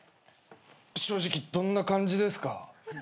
正直どんな感じですか？